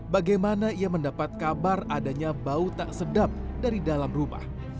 bagaimana ia mendapat kabar adanya bau tak sedap dari dalam rumah